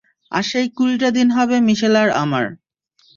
আর সেই কুড়িটা দিন হবে মিশেল আর আমার।